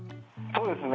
そうですね。